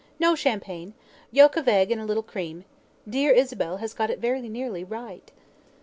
No champagne: yolk of egg and a little cream. Dear Isabel has got it very nearly right."